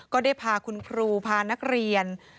ก็ได้พาคุณครูพานักเรียน